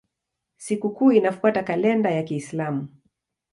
Sikukuu inafuata kalenda ya Kiislamu.